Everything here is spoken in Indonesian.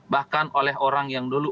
bahkan oleh orang yang dulu